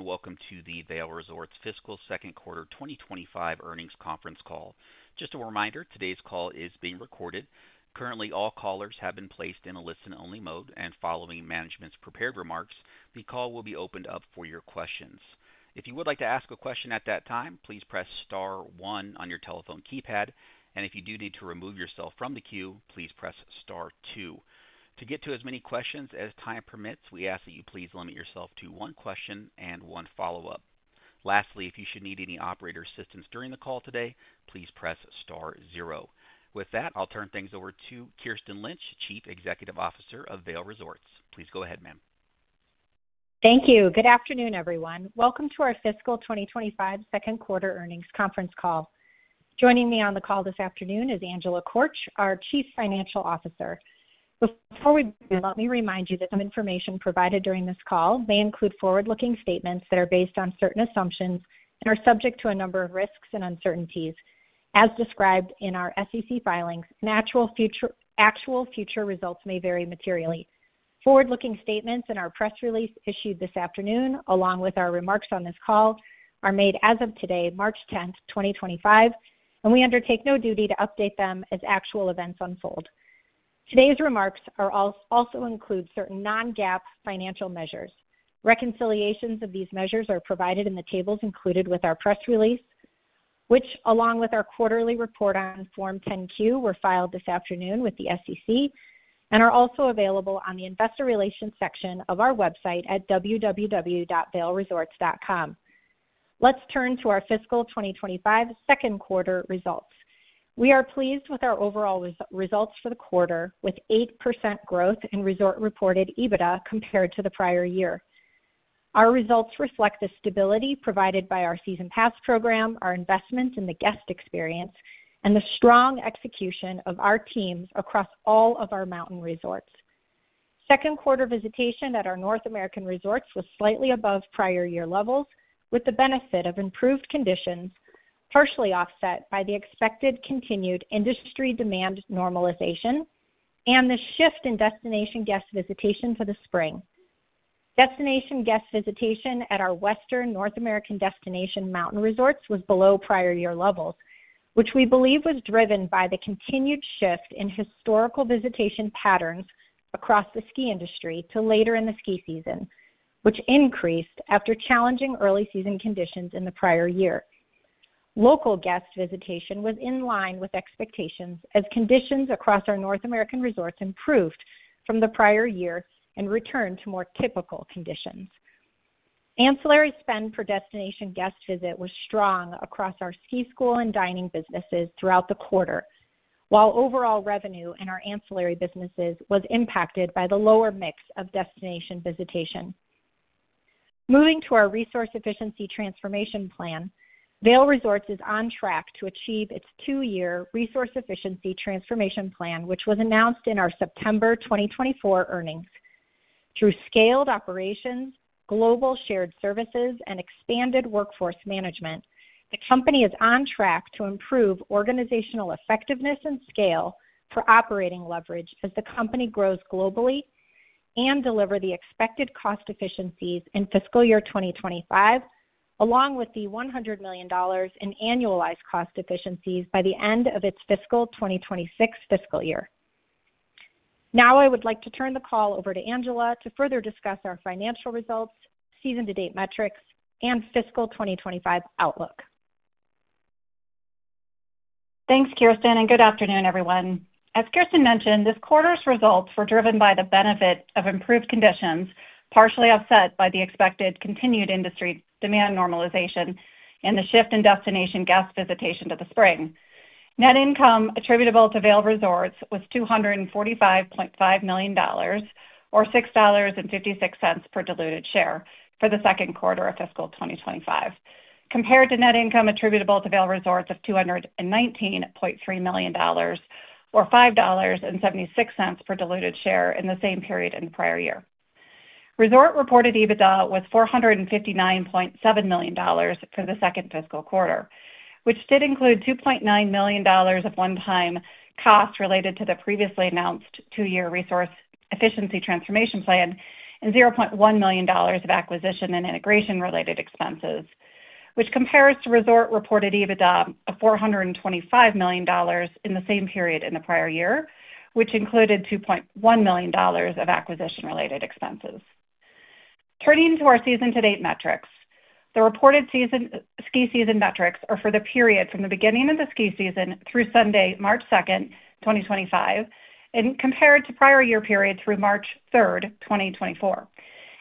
Welcome to the Vail Resorts fiscal second quarter 2025 earnings conference call. Just a reminder, today's call is being recorded. Currently, all callers have been placed in a listen-only mode, and following management's prepared remarks, the call will be opened up for your questions. If you would like to ask a question at that time, please press star one on your telephone keypad, and if you do need to remove yourself from the queue, please press star two. To get to as many questions as time permits, we ask that you please limit yourself to one question and one follow-up. Lastly, if you should need any operator assistance during the call today, please press star zero. With that, I'll turn things over to Kirsten Lynch, Chief Executive Officer of Vail Resorts. Please go ahead, ma'am. Thank you. Good afternoon, everyone. Welcome to our fiscal 2025 second quarter earnings conference call. Joining me on the call this afternoon is Angela Korch, our Chief Financial Officer. Before we begin, let me remind you that some information provided during this call may include forward-looking statements that are based on certain assumptions and are subject to a number of risks and uncertainties. As described in our SEC filings, actual future results may vary materially. Forward-looking statements in our press release issued this afternoon, along with our remarks on this call, are made as of today, March 10th, 2025, and we undertake no duty to update them as actual events unfold. Today's remarks also include certain non-GAAP financial measures. Reconciliations of these measures are provided in the tables included with our press release, which, along with our quarterly report on Form 10Q, were filed this afternoon with the SEC and are also available on the investor relations section of our website at www.vailresorts.com. Let's turn to our fiscal 2025 second quarter results. We are pleased with our overall results for the quarter, with 8% growth in resort reported EBITDA compared to the prior year. Our results reflect the stability provided by our season pass program, our investment in the guest experience, and the strong execution of our teams across all of our mountain resorts. Second quarter visitation at our North American resorts was slightly above prior year levels, with the benefit of improved conditions partially offset by the expected continued industry demand normalization and the shift in destination guest visitation for the spring. Destination guest visitation at our Western North American destination mountain resorts was below prior year levels, which we believe was driven by the continued shift in historical visitation patterns across the ski industry to later in the ski season, which increased after challenging early season conditions in the prior year. Local guest visitation was in line with expectations as conditions across our North American resorts improved from the prior year and returned to more typical conditions. Ancillary spend for destination guest visit was strong across our Ski and Ride School and dining businesses throughout the quarter, while overall revenue in our ancillary businesses was impacted by the lower mix of destination visitation. Moving to our resource efficiency transformation plan, Vail Resorts is on track to achieve its two-year resource efficiency transformation plan, which was announced in our September 2024 earnings. Through scaled operations, global shared services, and expanded workforce management, the company is on track to improve organizational effectiveness and scale for operating leverage as the company grows globally and deliver the expected cost efficiencies in fiscal year 2025, along with the $100 million in annualized cost efficiencies by the end of its fiscal 2026 fiscal year. Now, I would like to turn the call over to Angela to further discuss our financial results, season-to-date metrics, and fiscal 2025 outlook. Thanks, Kirsten, and good afternoon, everyone. As Kirsten mentioned, this quarter's results were driven by the benefit of improved conditions partially offset by the expected continued industry demand normalization and the shift in destination guest visitation to the spring. Net income attributable to Vail Resorts was $245.5 million, or $6.56 per diluted share for the second quarter of fiscal 2025, compared to net income attributable to Vail Resorts of $219.3 million, or $5.76 per diluted share in the same period in the prior year. Resort reported EBITDA was $459.7 million for the second fiscal quarter, which did include $2.9 million of one-time costs related to the previously announced two-year resource efficiency transformation plan and $0.1 million of acquisition and integration-related expenses, which compares to Resort reported EBITDA of $425 million in the same period in the prior year, which included $2.1 million of acquisition-related expenses. Turning to our season-to-date metrics, the reported ski season metrics are for the period from the beginning of the ski season through Sunday, March 2, 2025, and compared to prior year period through March 3, 2024,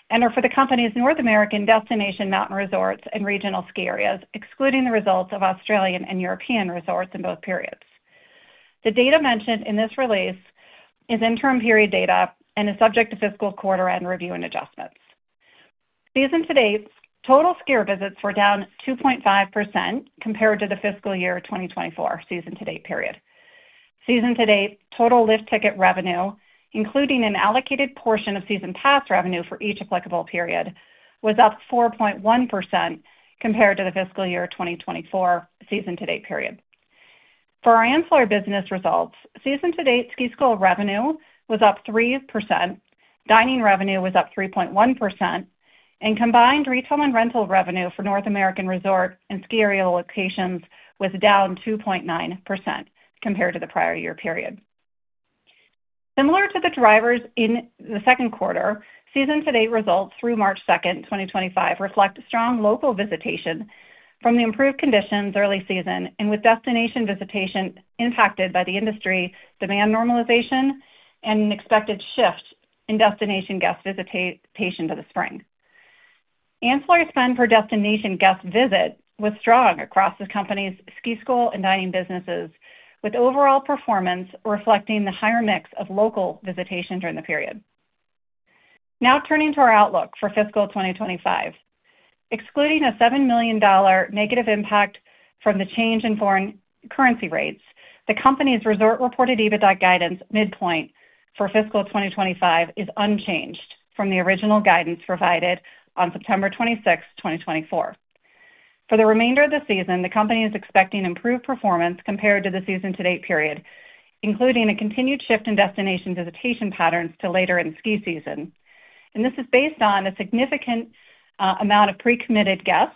and are for the company's North American destination mountain resorts and regional ski areas, excluding the results of Australian and European resorts in both periods. The data mentioned in this release is interim period data and is subject to fiscal quarter-end review and adjustments. Season-to-date total skier visits were down 2.5% compared to the fiscal year 2024 season-to-date period. Season-to-date total lift ticket revenue, including an allocated portion of season pass revenue for each applicable period, was up 4.1% compared to the fiscal year 2024 season-to-date period. For our ancillary business results, season-to-date ski school revenue was up 3%, dining revenue was up 3.1%, and combined retail and rental revenue for North American resort and ski area locations was down 2.9% compared to the prior year period. Similar to the drivers in the second quarter, season-to-date results through March 2, 2025, reflect strong local visitation from the improved conditions early season, with destination visitation impacted by the industry demand normalization and an expected shift in destination guest visitation to the spring. Ancillary spend for destination guest visit was strong across the company's ski school and dining businesses, with overall performance reflecting the higher mix of local visitation during the period. Now, turning to our outlook for fiscal 2025, excluding a $7 million negative impact from the change in foreign currency rates, the company's Resort reported EBITDA guidance midpoint for fiscal 2025 is unchanged from the original guidance provided on September 26th, 2024. For the remainder of the season, the company is expecting improved performance compared to the season-to-date period, including a continued shift in destination visitation patterns to later in ski season. This is based on a significant amount of pre-committed guests,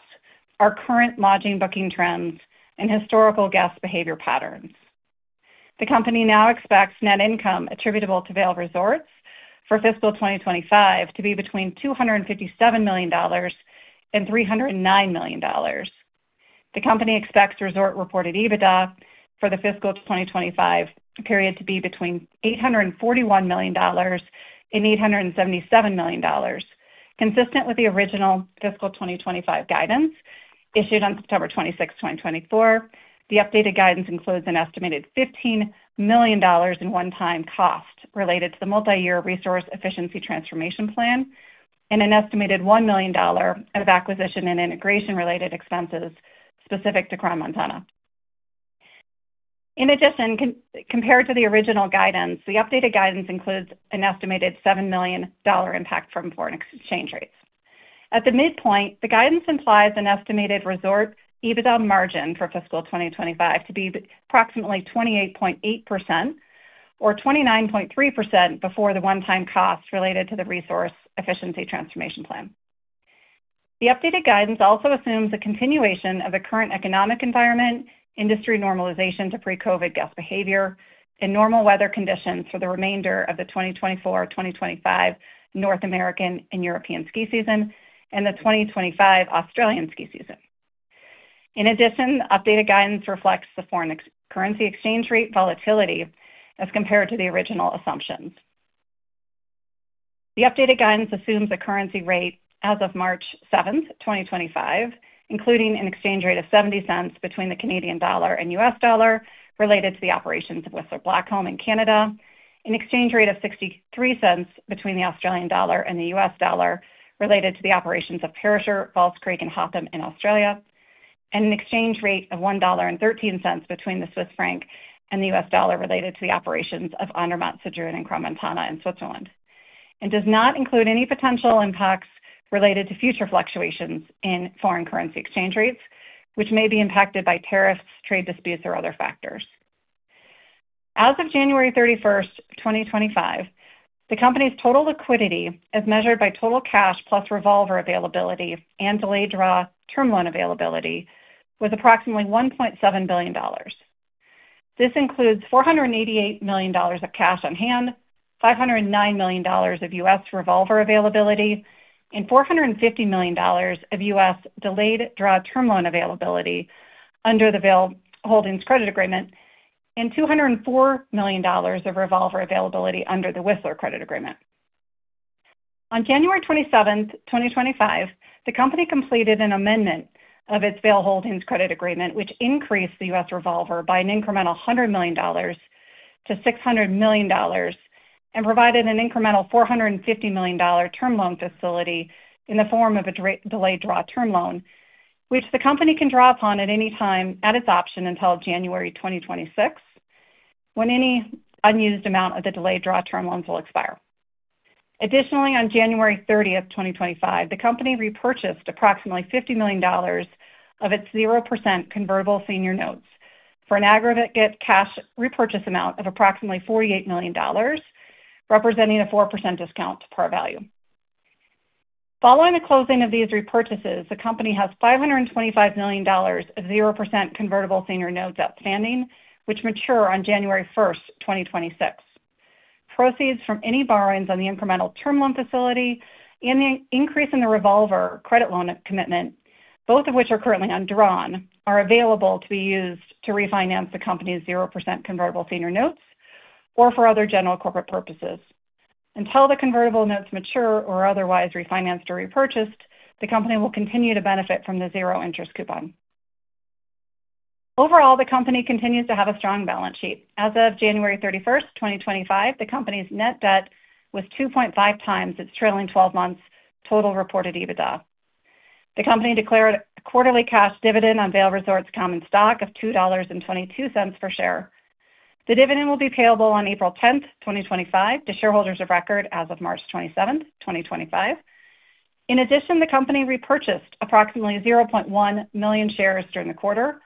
our current lodging booking trends, and historical guest behavior patterns. The company now expects net income attributable to Vail Resorts for fiscal 2025 to be between $257 million and $309 million. The company expects Resort reported EBITDA for the fiscal 2025 period to be between $841 million and $877 million, consistent with the original fiscal 2025 guidance issued on September 26th, 2024. The updated guidance includes an estimated $15 million in one-time cost related to the multi-year resource efficiency transformation plan and an estimated $1 million of acquisition and integration-related expenses specific to Crown Montana. In addition, compared to the original guidance, the updated guidance includes an estimated $7 million impact from foreign exchange rates. At the midpoint, the guidance implies an estimated Resort EBITDA margin for fiscal 2025 to be approximately 28.8%, or 29.3% before the one-time cost related to the resource efficiency transformation plan. The updated guidance also assumes a continuation of the current economic environment, industry normalization to pre-COVID guest behavior, and normal weather conditions for the remainder of the 2024-2025 North American and European ski season, and the 2025 Australian ski season. In addition, the updated guidance reflects the foreign currency exchange rate volatility as compared to the original assumptions. The updated guidance assumes the currency rate as of March 7th, 2025, including an exchange rate of 0.70 between the Canadian dollar and US dollar related to the operations of Whistler Blackcomb in Canada, an exchange rate of 0.63 between the Australian dollar and the US dollar related to the operations of Perisher, Falls Creek, and Hotham in Australia, and an exchange rate of CHF 1.13 between the Swiss franc and the US dollar related to the operations of Andermatt-Sedrun and Crown Montana in Switzerland, and does not include any potential impacts related to future fluctuations in foreign currency exchange rates, which may be impacted by tariffs, trade disputes, or other factors. As of January 31st, 2025, the company's total liquidity, as measured by total cash plus revolver availability and delayed draw term loan availability, was approximately $1.7 billion. This includes $488 million of cash on hand, $509 million of US revolver availability, and $450 million of US delayed draw term loan availability under the Vail Holdings credit agreement, and $204 million of revolver availability under the Whistler credit agreement. On January 27, 2025, the company completed an amendment of its Vail Holdings credit agreement, which increased the US revolver by an incremental $100 million to $600 million and provided an incremental $450 million term loan facility in the form of a delayed draw term loan, which the company can draw upon at any time at its option until January 2026, when any unused amount of the delayed draw term loans will expire. Additionally, on January 30, 2025, the company repurchased approximately $50 million of its 0% convertible senior notes for an aggregate cash repurchase amount of approximately $48 million, representing a 4% discount to par value. Following the closing of these repurchases, the company has $525 million of 0% convertible senior notes outstanding, which mature on January 1, 2026. Proceeds from any borrowings on the incremental term loan facility and the increase in the revolver credit loan commitment, both of which are currently undrawn, are available to be used to refinance the company's 0% convertible senior notes or for other general corporate purposes. Until the convertible notes mature or are otherwise refinanced or repurchased, the company will continue to benefit from the zero-interest coupon. Overall, the company continues to have a strong balance sheet. As of January 31, 2025, the company's net debt was 2.5 times its trailing 12 months total reported EBITDA. The company declared a quarterly cash dividend on Vail Resorts Common Stock of $2.22 per share. The dividend will be payable on April 10th, 2025, to shareholders of record as of March 27th, 2025. In addition, the company repurchased approximately 0.1 million shares during the quarter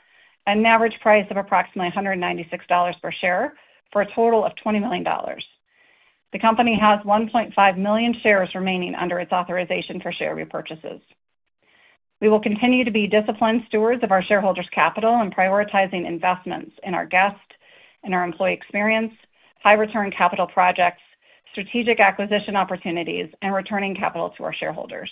at an average price of approximately $196 per share for a total of $20 million. The company has 1.5 million shares remaining under its authorization for share repurchases. We will continue to be disciplined stewards of our shareholders' capital and prioritizing investments in our guest and our employee experience, high-return capital projects, strategic acquisition opportunities, and returning capital to our shareholders.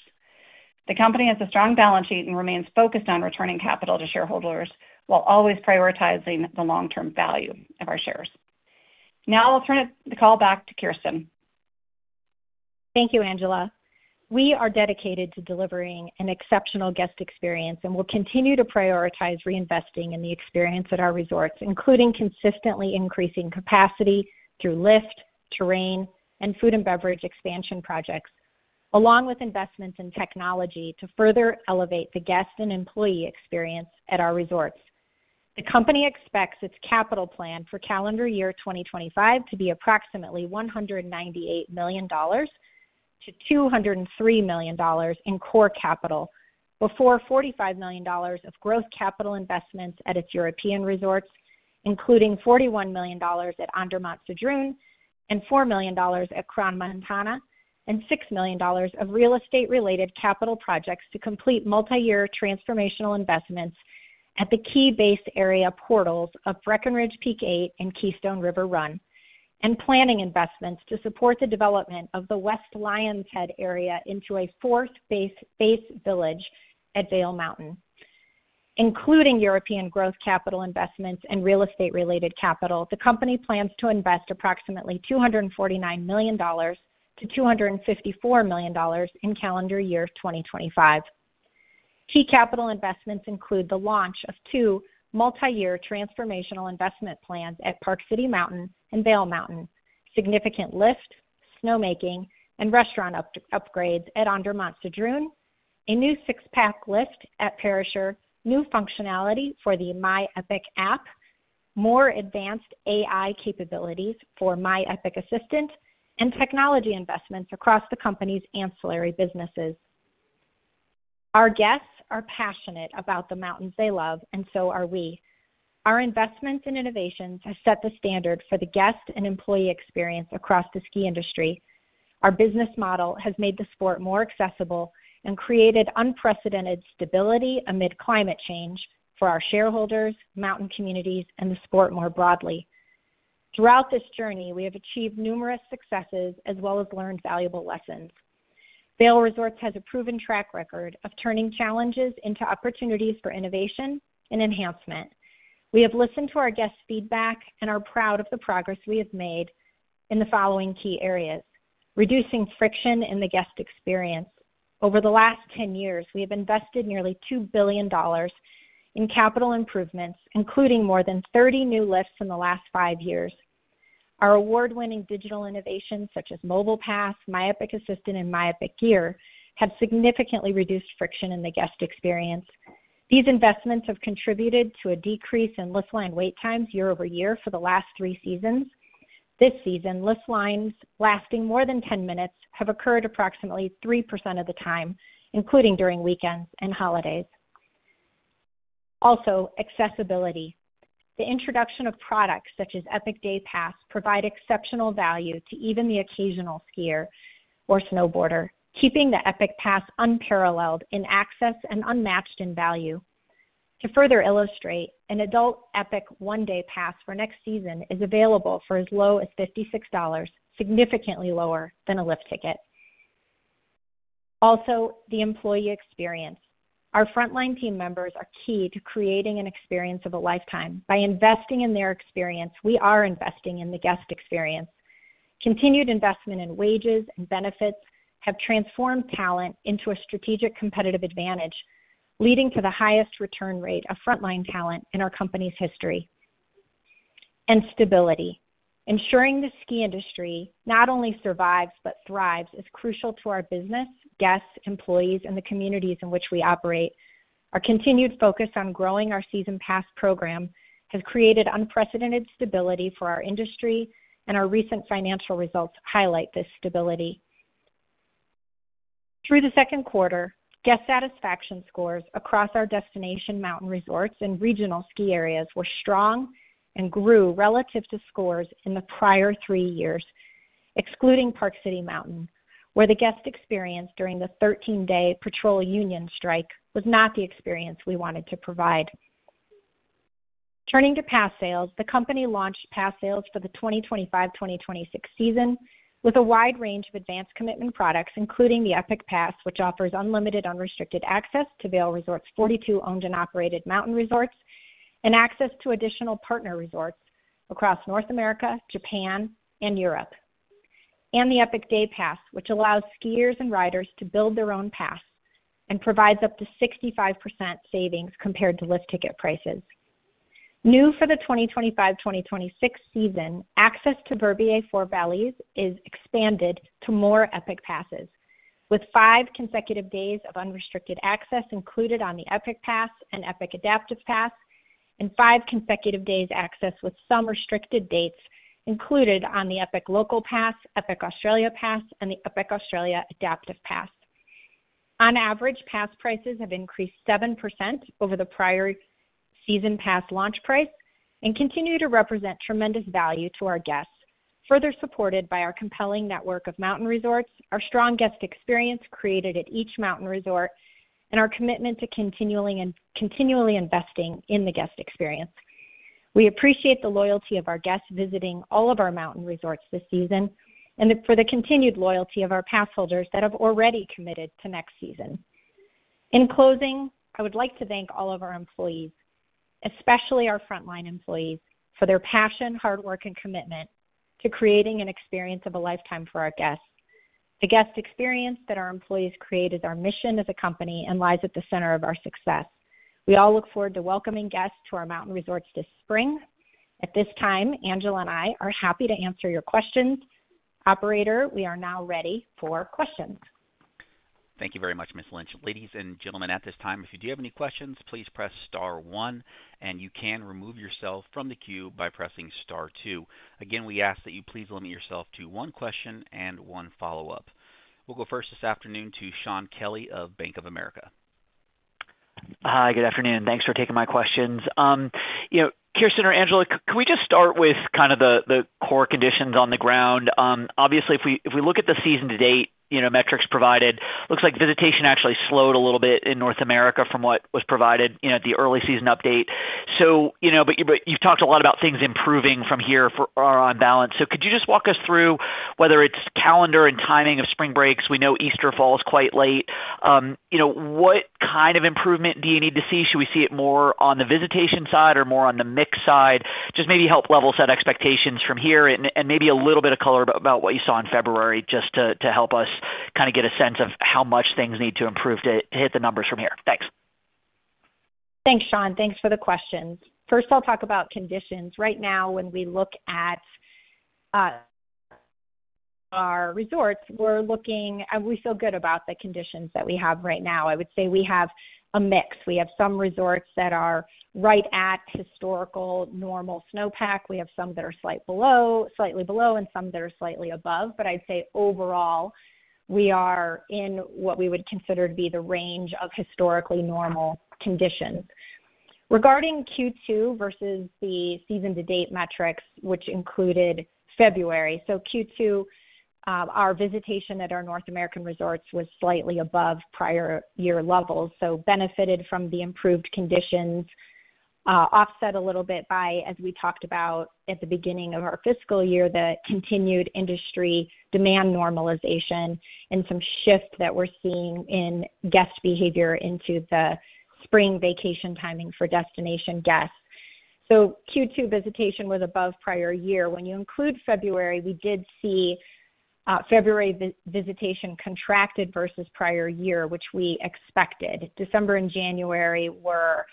The company has a strong balance sheet and remains focused on returning capital to shareholders while always prioritizing the long-term value of our shares. Now, I'll turn the call back to Kirsten. Thank you, Angela. We are dedicated to delivering an exceptional guest experience and will continue to prioritize reinvesting in the experience at our resorts, including consistently increasing capacity through lift, terrain, and food and beverage expansion projects, along with investments in technology to further elevate the guest and employee experience at our resorts. The company expects its capital plan for calendar year 2025 to be approximately $198 million-$203 million in core capital before $45 million of growth capital investments at its European resorts, including $41 million at Andermatt-Sedrun, and $4 million at Crown Montana, and $6 million of real estate-related capital projects to complete multi-year transformational investments at the key base area portals of Breckenridge Peak 8 and Keystone River Run, and planning investments to support the development of the West Lionshead area into a fourth base village at Vail Mountain. Including European growth capital investments and real estate-related capital, the company plans to invest approximately $249 million-$254 million in calendar year 2025. Key capital investments include the launch of two multi-year transformational investment plans at Park City Mountain and Vail Mountain, significant lift, snowmaking, and restaurant upgrades at Andermatt-Sedrun, a new six-pack lift at Perisher, new functionality for the My Epic app, more advanced AI capabilities for My Epic Assistant, and technology investments across the company's ancillary businesses. Our guests are passionate about the mountains they love, and so are we. Our investments and innovations have set the standard for the guest and employee experience across the ski industry. Our business model has made the sport more accessible and created unprecedented stability amid climate change for our shareholders, mountain communities, and the sport more broadly. Throughout this journey, we have achieved numerous successes as well as learned valuable lessons. Vail Resorts has a proven track record of turning challenges into opportunities for innovation and enhancement. We have listened to our guests' feedback and are proud of the progress we have made in the following key areas: reducing friction in the guest experience. Over the last 10 years, we have invested nearly $2 billion in capital improvements, including more than 30 new lifts in the last five years. Our award-winning digital innovations, such as Mobile Pass, My Epic Assistant, and My Epic Gear, have significantly reduced friction in the guest experience. These investments have contributed to a decrease in lift line wait times year over year for the last three seasons. This season, lift lines lasting more than 10 minutes have occurred approximately 3% of the time, including during weekends and holidays. Also, accessibility. The introduction of products such as Epic Day Pass provides exceptional value to even the occasional skier or snowboarder, keeping the Epic Pass unparalleled in access and unmatched in value. To further illustrate, an adult Epic One Day Pass for next season is available for as low as $56, significantly lower than a lift ticket. Also, the employee experience. Our frontline team members are key to creating an experience of a lifetime. By investing in their experience, we are investing in the guest experience. Continued investment in wages and benefits have transformed talent into a strategic competitive advantage, leading to the highest return rate of frontline talent in our company's history. Stability. Ensuring the ski industry not only survives but thrives is crucial to our business, guests, employees, and the communities in which we operate. Our continued focus on growing our season pass program has created unprecedented stability for our industry, and our recent financial results highlight this stability. Through the second quarter, guest satisfaction scores across our destination mountain resorts and regional ski areas were strong and grew relative to scores in the prior three years, excluding Park City Mountain, where the guest experience during the 13-day patrol union strike was not the experience we wanted to provide. Turning to pass sales, the company launched pass sales for the 2025-2026 season with a wide range of advanced commitment products, including the Epic Pass, which offers unlimited unrestricted access to Vail Resorts' 42 owned and operated mountain resorts and access to additional partner resorts across North America, Japan, and Europe, and the Epic Day Pass, which allows skiers and riders to build their own pass and provides up to 65% savings compared to lift ticket prices. New for the 2025-2026 season, access to Verbier 4 Vallées is expanded to more Epic Passes, with five consecutive days of unrestricted access included on the Epic Pass and Epic Adaptive Pass, and five consecutive days access with some restricted dates included on the Epic Local Pass, Epic Australia Pass, and the Epic Australia Adaptive Pass. On average, pass prices have increased 7% over the prior season pass launch price and continue to represent tremendous value to our guests, further supported by our compelling network of mountain resorts, our strong guest experience created at each mountain resort, and our commitment to continually investing in the guest experience. We appreciate the loyalty of our guests visiting all of our mountain resorts this season and for the continued loyalty of our pass holders that have already committed to next season. In closing, I would like to thank all of our employees, especially our frontline employees, for their passion, hard work, and commitment to creating an experience of a lifetime for our guests. The guest experience that our employees create is our mission as a company and lies at the center of our success. We all look forward to welcoming guests to our mountain resorts this spring. At this time, Angela and I are happy to answer your questions. Operator, we are now ready for questions. Thank you very much, Ms. Lynch. Ladies and gentlemen, at this time, if you do have any questions, please press Star 1, and you can remove yourself from the queue by pressing Star 2. Again, we ask that you please limit yourself to one question and one follow-up. We'll go first this afternoon to Shawn Kelly of Bank of America. Hi, good afternoon. Thanks for taking my questions. Kirsten or Angela, can we just start with kind of the core conditions on the ground? Obviously, if we look at the season-to-date metrics provided, it looks like visitation actually slowed a little bit in North America from what was provided at the early season update. You've talked a lot about things improving from here for our on-balance. Could you just walk us through whether it's calendar and timing of spring breaks? We know Easter falls quite late. What kind of improvement do you need to see? Should we see it more on the visitation side or more on the mix side? Just maybe help level set expectations from here and maybe a little bit of color about what you saw in February just to help us kind of get a sense of how much things need to improve to hit the numbers from here. Thanks. Thanks, Shaun. Thanks for the questions. First, I'll talk about conditions. Right now, when we look at our resorts, we're looking and we feel good about the conditions that we have right now. I would say we have a mix. We have some resorts that are right at historical normal snowpack. We have some that are slightly below, and some that are slightly above. I would say overall, we are in what we would consider to be the range of historically normal conditions. Regarding Q2 versus the season-to-date metrics, which included February, Q2, our visitation at our North American resorts was slightly above prior year levels, so benefited from the improved conditions, offset a little bit by, as we talked about at the beginning of our fiscal year, the continued industry demand normalization and some shift that we're seeing in guest behavior into the spring vacation timing for destination guests. Q2 visitation was above prior year. When you include February, we did see February visitation contracted versus prior year, which we expected. December and January were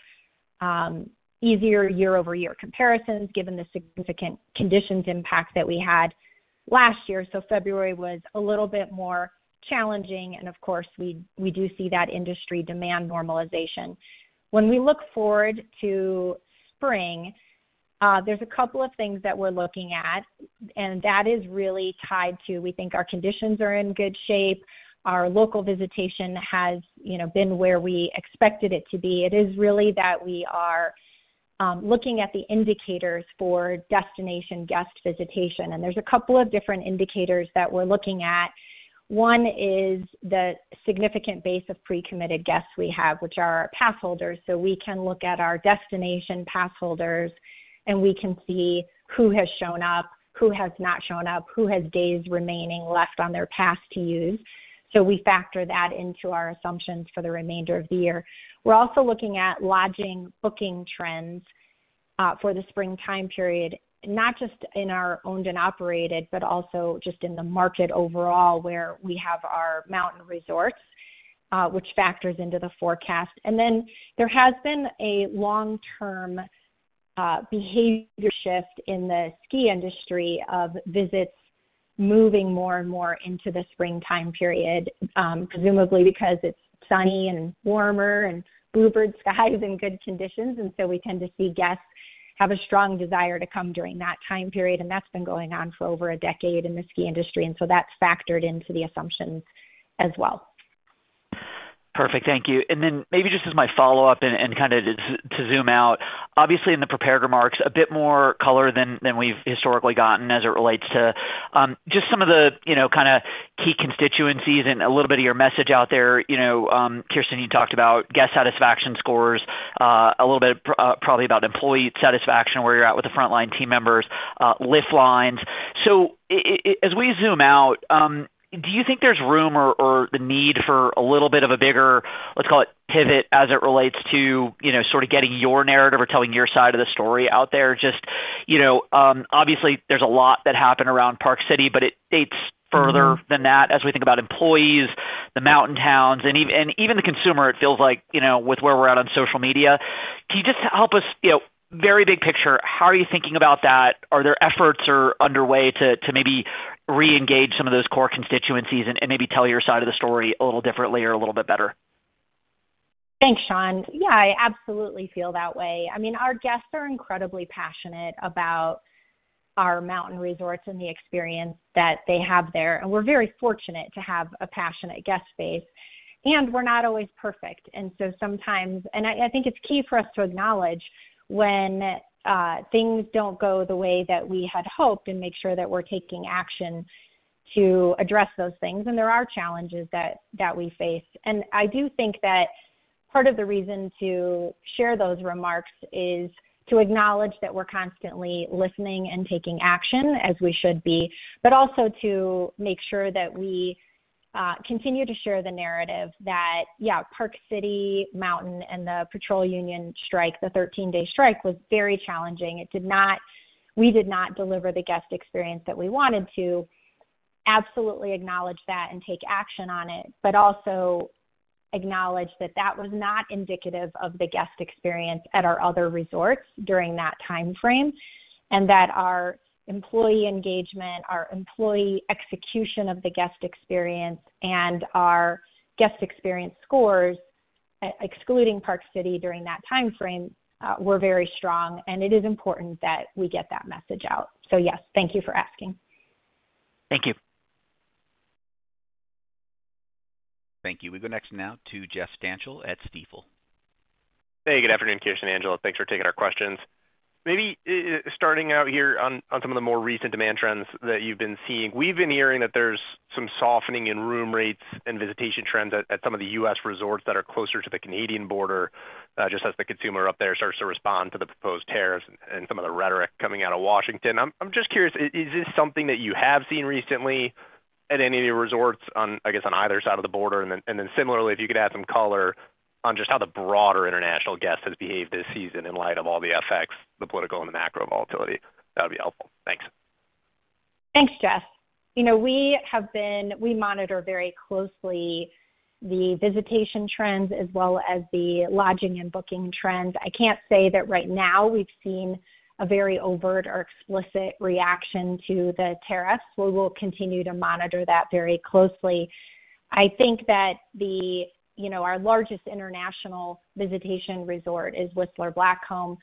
easier year-over-year comparisons given the significant conditions impact that we had last year. February was a little bit more challenging. Of course, we do see that industry demand normalization. When we look forward to spring, there's a couple of things that we're looking at, and that is really tied to, we think our conditions are in good shape. Our local visitation has been where we expected it to be. It is really that we are looking at the indicators for destination guest visitation. There's a couple of different indicators that we're looking at. One is the significant base of pre-committed guests we have, which are our pass holders. We can look at our destination pass holders, and we can see who has shown up, who has not shown up, who has days remaining left on their pass to use. We factor that into our assumptions for the remainder of the year. We're also looking at lodging booking trends for the spring time period, not just in our owned and operated, but also just in the market overall where we have our mountain resorts, which factors into the forecast. There has been a long-term behavior shift in the ski industry of visits moving more and more into the spring time period, presumably because it's sunny and warmer and bluebird skies and good conditions. We tend to see guests have a strong desire to come during that time period. That's been going on for over a decade in the ski industry. That's factored into the assumptions as well. Perfect. Thank you. Maybe just as my follow-up and kind of to zoom out, obviously in the prepared remarks, a bit more color than we've historically gotten as it relates to just some of the kind of key constituencies and a little bit of your message out there. Kirsten, you talked about guest satisfaction scores, a little bit probably about employee satisfaction, where you're at with the frontline team members, lift lines. As we zoom out, do you think there's room or the need for a little bit of a bigger, let's call it pivot, as it relates to sort of getting your narrative or telling your side of the story out there? Just obviously, there's a lot that happened around Park City, but it dates further than that as we think about employees, the mountain towns, and even the consumer, it feels like, with where we're at on social media. Can you just help us, very big picture, how are you thinking about that? Are there efforts underway to maybe re-engage some of those core constituencies and maybe tell your side of the story a little differently or a little bit better? Thanks, Sean. Yeah, I absolutely feel that way. I mean, our guests are incredibly passionate about our mountain resorts and the experience that they have there. We're very fortunate to have a passionate guest base. We're not always perfect. I think it's key for us to acknowledge when things do not go the way that we had hoped and make sure that we're taking action to address those things. There are challenges that we face. I do think that part of the reason to share those remarks is to acknowledge that we're constantly listening and taking action, as we should be, but also to make sure that we continue to share the narrative that, yeah, Park City Mountain and the patrol union strike, the 13-day strike, was very challenging. We did not deliver the guest experience that we wanted to. Absolutely acknowledge that and take action on it, but also acknowledge that that was not indicative of the guest experience at our other resorts during that time frame and that our employee engagement, our employee execution of the guest experience, and our guest experience scores, excluding Park City during that time frame, were very strong. It is important that we get that message out. Yes, thank you for asking. Thank you. Thank you. We go next now to Jeff Stanchel at Stifel. Hey, good afternoon, Kirsten and Angela. Thanks for taking our questions. Maybe starting out here on some of the more recent demand trends that you've been seeing, we've been hearing that there's some softening in room rates and visitation trends at some of the U.S. resorts that are closer to the Canadian border, just as the consumer up there starts to respond to the proposed tariffs and some of the rhetoric coming out of Washington. I'm just curious, is this something that you have seen recently at any of your resorts, I guess, on either side of the border? Similarly, if you could add some color on just how the broader international guest has behaved this season in light of all the effects, the political and the macro volatility, that would be helpful. Thanks. Thanks, Jeff. We monitor very closely the visitation trends as well as the lodging and booking trends. I can't say that right now we've seen a very overt or explicit reaction to the tariffs. We will continue to monitor that very closely. I think that our largest international visitation resort is Whistler Blackcomb.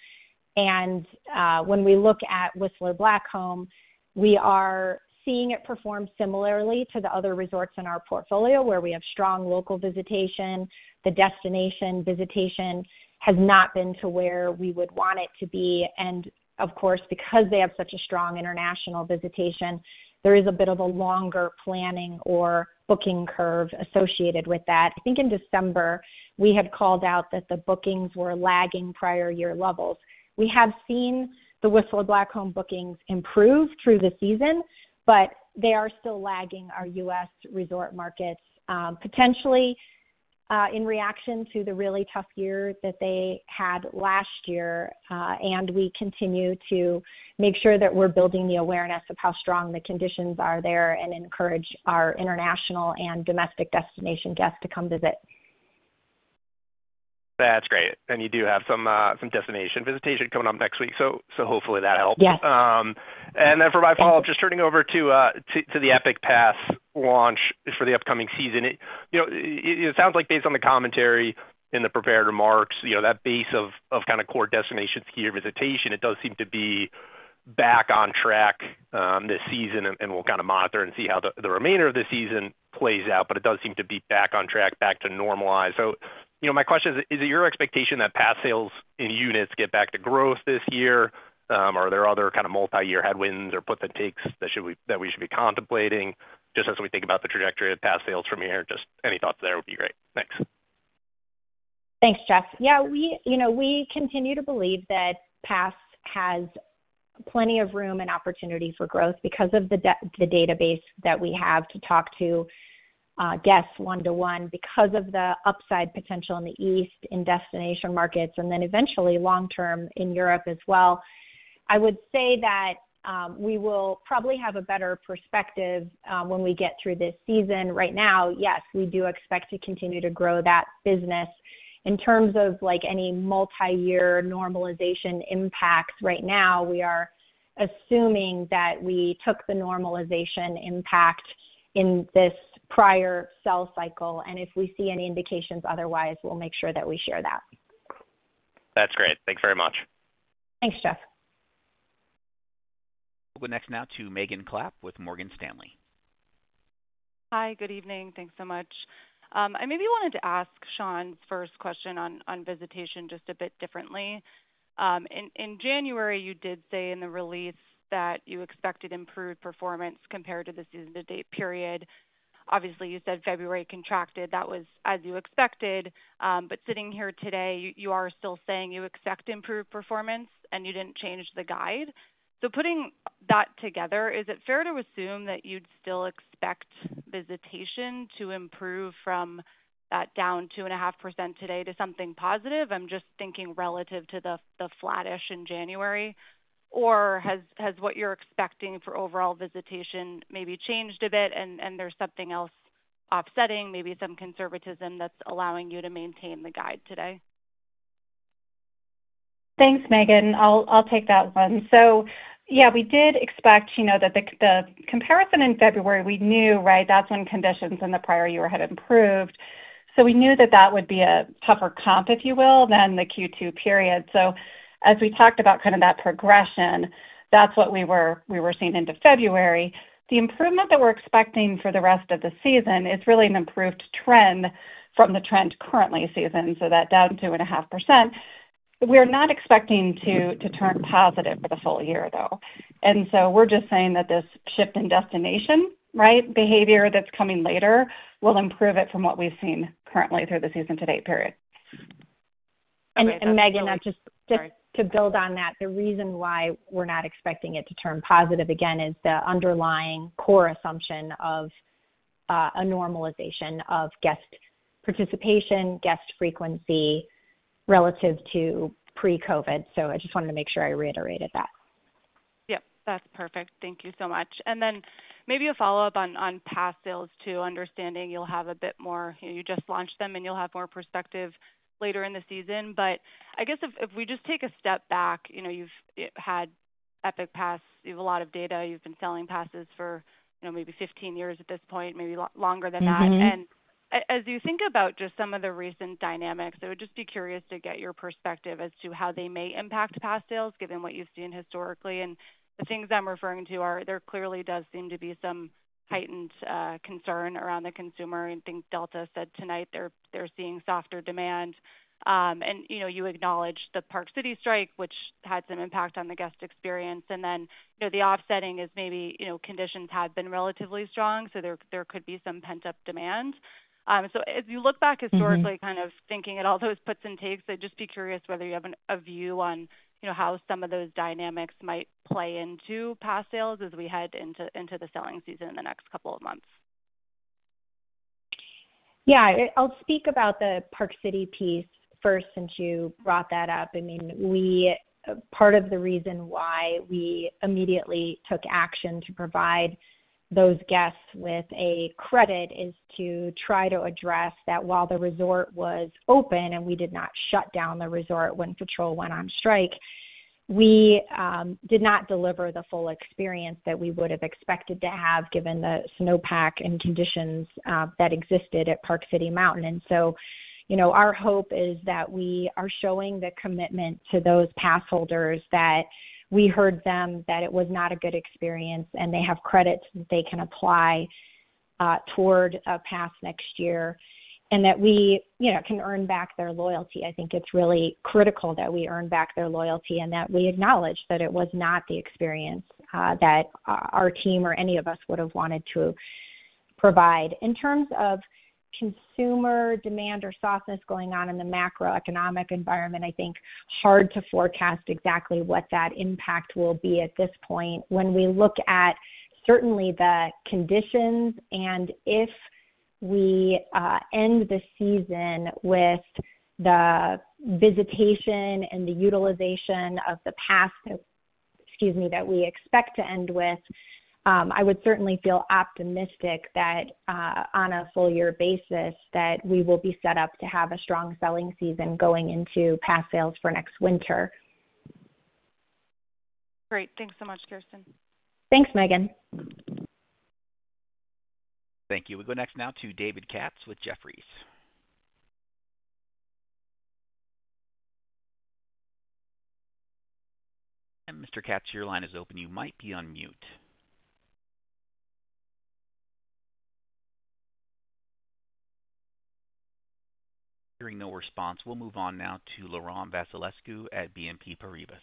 When we look at Whistler Blackcomb, we are seeing it perform similarly to the other resorts in our portfolio where we have strong local visitation. The destination visitation has not been to where we would want it to be. Of course, because they have such a strong international visitation, there is a bit of a longer planning or booking curve associated with that. I think in December, we had called out that the bookings were lagging prior year levels. We have seen the Whistler Blackcomb bookings improve through the season, but they are still lagging our U.S. resort markets, potentially in reaction to the really tough year that they had last year. We continue to make sure that we're building the awareness of how strong the conditions are there and encourage our international and domestic destination guests to come visit. That's great. You do have some destination visitation coming up next week. Hopefully that helps. Yes. For my follow-up, just turning over to the Epic Pass launch for the upcoming season. It sounds like based on the commentary in the prepared remarks, that base of kind of core destinations gear visitation, it does seem to be back on track this season. We will kind of monitor and see how the remainder of the season plays out. It does seem to be back on track, back to normalize. My question is, is it your expectation that pass sales and units get back to growth this year? Are there other kind of multi-year headwinds or puts at takes that we should be contemplating just as we think about the trajectory of pass sales from here? Any thoughts there would be great. Thanks. Thanks, Jeff. Yeah, we continue to believe that pass has plenty of room and opportunity for growth because of the database that we have to talk to guests one-to-one because of the upside potential in the East in destination markets and then eventually long-term in Europe as well. I would say that we will probably have a better perspective when we get through this season. Right now, yes, we do expect to continue to grow that business. In terms of any multi-year normalization impacts, right now, we are assuming that we took the normalization impact in this prior sell cycle. If we see any indications otherwise, we'll make sure that we share that. That's great. Thanks very much. Thanks, Jeff. We'll go next now to Megan Klapp with Morgan Stanley. Hi, good evening. Thanks so much. I maybe wanted to ask Shawn's first question on visitation just a bit differently. In January, you did say in the release that you expected improved performance compared to the season-to-date period. Obviously, you said February contracted. That was as you expected. Sitting here today, you are still saying you expect improved performance and you did not change the guide. Putting that together, is it fair to assume that you would still expect visitation to improve from that down 2.5% today to something positive? I am just thinking relative to the flattish in January. Has what you are expecting for overall visitation maybe changed a bit and there is something else offsetting, maybe some conservatism that is allowing you to maintain the guide today? Thanks, Megan. I'll take that one. Yeah, we did expect that the comparison in February, we knew, right, that's when conditions in the prior year had improved. We knew that that would be a tougher comp, if you will, than the Q2 period. As we talked about kind of that progression, that's what we were seeing into February. The improvement that we're expecting for the rest of the season is really an improved trend from the trend currently season, so that down 2.5%. We're not expecting to turn positive for the full year, though. We're just saying that this shift in destination, right, behavior that's coming later will improve it from what we've seen currently through the season-to-date period. Megan, just to build on that, the reason why we're not expecting it to turn positive again is the underlying core assumption of a normalization of guest participation, guest frequency relative to pre-COVID. I just wanted to make sure I reiterated that. Yep, that's perfect. Thank you so much. Maybe a follow-up on pass sales too, understanding you'll have a bit more, you just launched them and you'll have more perspective later in the season. I guess if we just take a step back, you've had Epic Pass, you have a lot of data, you've been selling passes for maybe 15 years at this point, maybe longer than that. As you think about just some of the recent dynamics, I would just be curious to get your perspective as to how they may impact pass sales given what you've seen historically. The things I'm referring to are, there clearly does seem to be some heightened concern around the consumer. I think Delta said tonight they're seeing softer demand. You acknowledged the Park City strike, which had some impact on the guest experience. The offsetting is maybe conditions have been relatively strong, so there could be some pent-up demand. As you look back historically, kind of thinking at all those puts and takes, I'd just be curious whether you have a view on how some of those dynamics might play into pass sales as we head into the selling season in the next couple of months. Yeah, I'll speak about the Park City piece first since you brought that up. I mean, part of the reason why we immediately took action to provide those guests with a credit is to try to address that while the resort was open and we did not shut down the resort when patrol went on strike, we did not deliver the full experience that we would have expected to have given the snowpack and conditions that existed at Park City Mountain. Our hope is that we are showing the commitment to those pass holders that we heard them that it was not a good experience and they have credits that they can apply toward a pass next year and that we can earn back their loyalty. I think it's really critical that we earn back their loyalty and that we acknowledge that it was not the experience that our team or any of us would have wanted to provide. In terms of consumer demand or softness going on in the macroeconomic environment, I think hard to forecast exactly what that impact will be at this point when we look at certainly the conditions and if we end the season with the visitation and the utilization of the pass that we expect to end with, I would certainly feel optimistic that on a full-year basis that we will be set up to have a strong selling season going into pass sales for next winter. Great. Thanks so much, Kirsten. Thanks, Megan. Thank you. We go next now to David Katz with Jefferies. Mr. Katz, your line is open. You might be on mute. Hearing no response, we'll move on now to Laurent Vasilescu at BNP Paribas.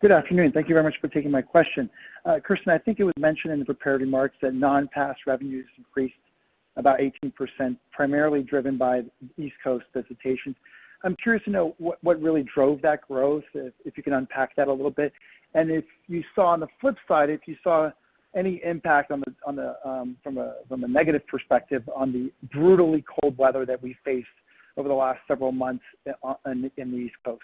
Good afternoon. Thank you very much for taking my question. Kirsten, I think it was mentioned in the prepared remarks that non-pass revenues increased about 18%, primarily driven by East Coast visitation. I'm curious to know what really drove that growth, if you can unpack that a little bit. If you saw on the flip side, if you saw any impact from a negative perspective on the brutally cold weather that we faced over the last several months in the East Coast.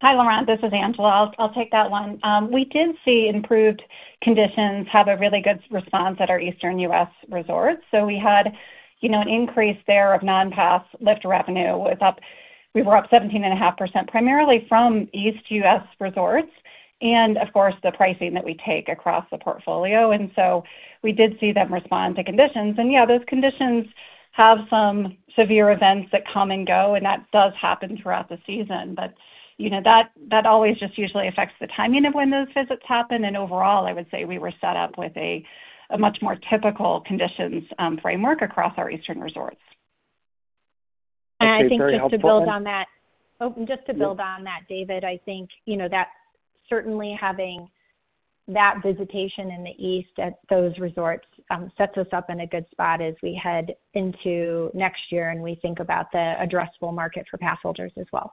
Hi, Laurent. This is Angela. I'll take that one. We did see improved conditions have a really good response at our Eastern U.S. resorts. We had an increase there of non-pass lift revenue. We were up 17.5% primarily from East U.S. resorts and, of course, the pricing that we take across the portfolio. We did see them respond to conditions. Yeah, those conditions have some severe events that come and go, and that does happen throughout the season. That always just usually affects the timing of when those visits happen. Overall, I would say we were set up with a much more typical conditions framework across our Eastern resorts. I think just to build on that, David, I think that certainly having that visitation in the East at those resorts sets us up in a good spot as we head into next year and we think about the addressable market for pass holders as well.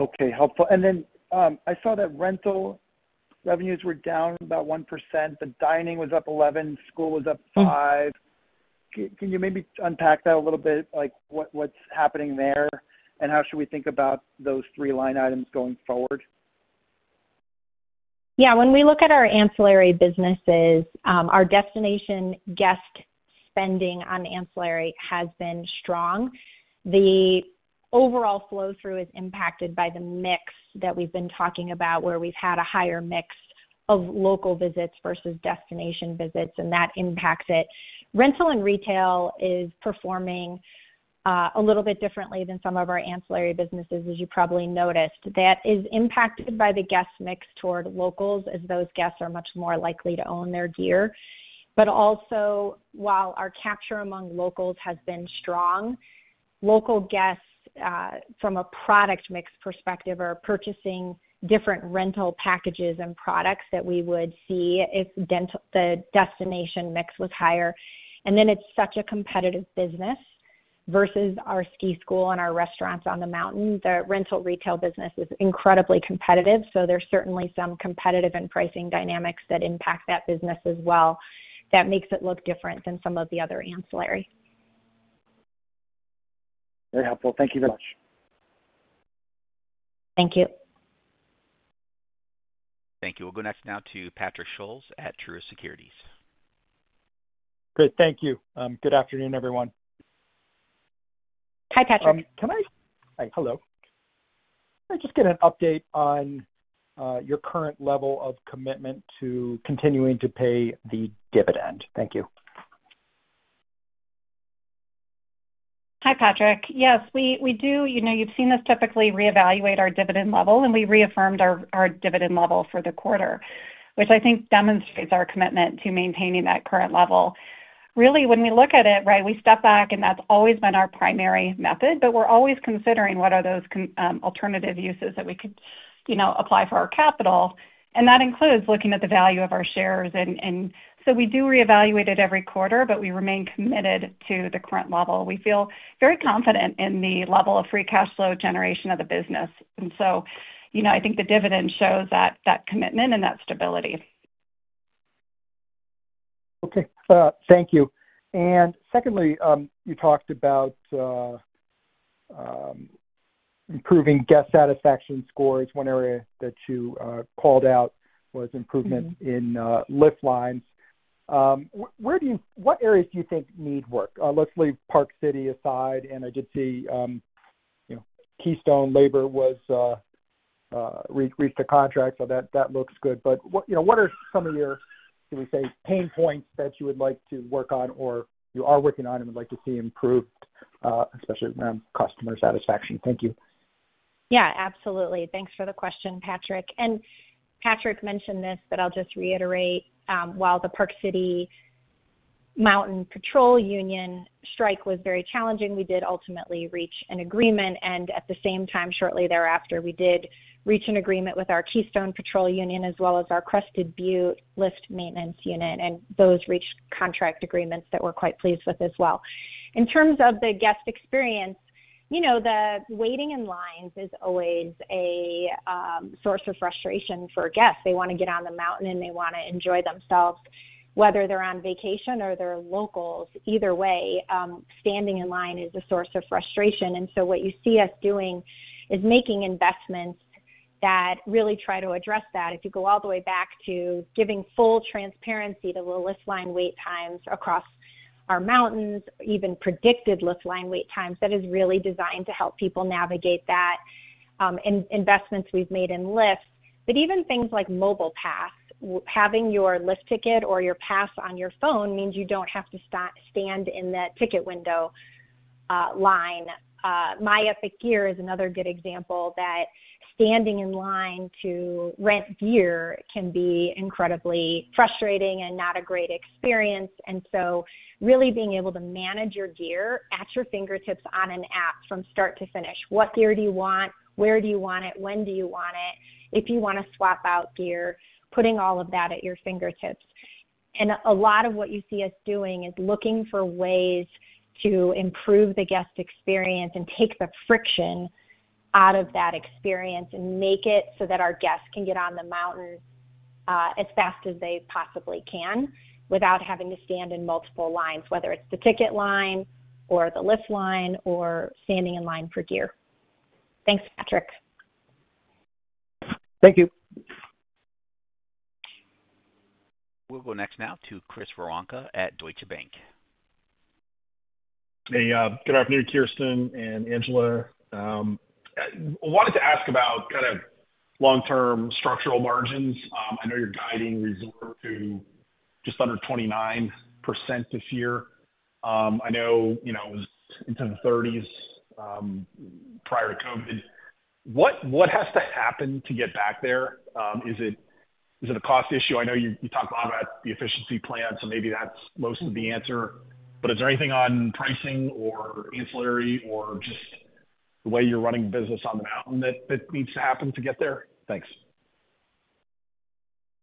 Okay, helpful. I saw that rental revenues were down about 1%, but dining was up 11%, school was up 5%. Can you maybe unpack that a little bit, like what's happening there and how should we think about those three line items going forward? Yeah, when we look at our ancillary businesses, our destination guest spending on ancillary has been strong. The overall flow through is impacted by the mix that we've been talking about where we've had a higher mix of local visits versus destination visits, and that impacts it. Rental and retail is performing a little bit differently than some of our ancillary businesses, as you probably noticed. That is impacted by the guest mix toward locals as those guests are much more likely to own their gear. Also, while our capture among locals has been strong, local guests from a product mix perspective are purchasing different rental packages and products that we would see if the destination mix was higher. It is such a competitive business versus our Ski and Ride School and our restaurants on the mountain. The rental retail business is incredibly competitive. There are certainly some competitive and pricing dynamics that impact that business as well. That makes it look different than some of the other ancillary. Very helpful. Thank you very much. Thank you. Thank you. We'll go next now to Patrick Scholz at Truist Securities. Great. Thank you. Good afternoon, everyone. Hi, Patrick. Hi. Hello. Can I just get an update on your current level of commitment to continuing to pay the dividend? Thank you. Hi, Patrick. Yes, we do. You've seen us typically reevaluate our dividend level, and we reaffirmed our dividend level for the quarter, which I think demonstrates our commitment to maintaining that current level. Really, when we look at it, right, we step back, and that's always been our primary method, but we're always considering what are those alternative uses that we could apply for our capital. That includes looking at the value of our shares. We do reevaluate it every quarter, but we remain committed to the current level. We feel very confident in the level of free cash flow generation of the business. I think the dividend shows that commitment and that stability. Okay. Thank you. Secondly, you talked about improving guest satisfaction scores. One area that you called out was improvements in lift lines. What areas do you think need work? Let's leave Park City aside. I did see Keystone labor reached a contract, so that looks good. What are some of your, should we say, pain points that you would like to work on or you are working on and would like to see improved, especially around customer satisfaction? Thank you. Yeah, absolutely. Thanks for the question, Patrick. Patrick mentioned this, but I'll just reiterate. While the Park City Mountain Patrol Union strike was very challenging, we did ultimately reach an agreement. At the same time, shortly thereafter, we did reach an agreement with our Keystone Patrol Union as well as our Crested Butte Lift Maintenance Unit. Those reached contract agreements that we're quite pleased with as well. In terms of the guest experience, the waiting in lines is always a source of frustration for guests. They want to get on the mountain and they want to enjoy themselves, whether they're on vacation or they're locals. Either way, standing in line is a source of frustration. What you see us doing is making investments that really try to address that. If you go all the way back to giving full transparency to the lift line wait times across our mountains, even predicted lift line wait times, that is really designed to help people navigate that. Investments we've made in lifts, but even things like MobilePass, having your lift ticket or your pass on your phone means you don't have to stand in that ticket window line. My Epic Gear is another good example that standing in line to rent gear can be incredibly frustrating and not a great experience. Really being able to manage your gear at your fingertips on an app from start to finish. What gear do you want? Where do you want it? When do you want it? If you want to swap out gear, putting all of that at your fingertips. A lot of what you see us doing is looking for ways to improve the guest experience and take the friction out of that experience and make it so that our guests can get on the mountain as fast as they possibly can without having to stand in multiple lines, whether it is the ticket line or the lift line or standing in line for gear. Thanks, Patrick. Thank you. We'll go next now to Chris Woronka at Deutsche Bank. Hey, good afternoon, Kirsten and Angela. I wanted to ask about kind of long-term structural margins. I know you're guiding resort to just under 29% this year. I know it was into the 30s prior to COVID. What has to happen to get back there? Is it a cost issue? I know you talked a lot about the efficiency plan, so maybe that's most of the answer. Is there anything on pricing or ancillary or just the way you're running business on the mountain that needs to happen to get there? Thanks.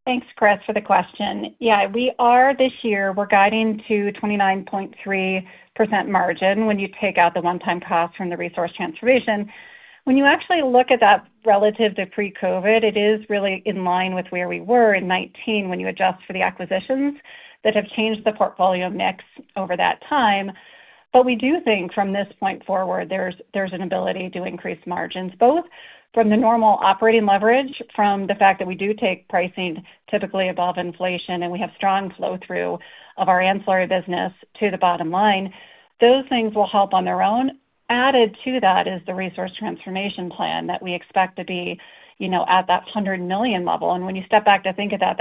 Thanks, Chris, for the question. Yeah, we are this year, we're guiding to 29.3% margin when you take out the one-time cost from the resource transformation. When you actually look at that relative to pre-COVID, it is really in line with where we were in 2019 when you adjust for the acquisitions that have changed the portfolio mix over that time. We do think from this point forward, there's an ability to increase margins both from the normal operating leverage, from the fact that we do take pricing typically above inflation, and we have strong flow through of our ancillary business to the bottom line. Those things will help on their own. Added to that is the resource transformation plan that we expect to be at that $100 million level. When you step back to think of that,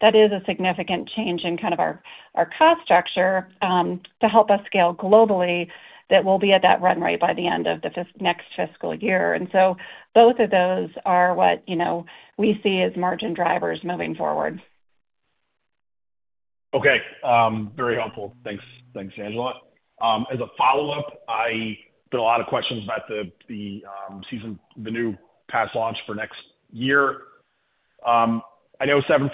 that is a significant change in kind of our cost structure to help us scale globally that we'll be at that run rate by the end of the next fiscal year. Both of those are what we see as margin drivers moving forward. Okay. Very helpful. Thanks, Angela. As a follow-up, I've got a lot of questions about the new pass launch for next year. I know 7%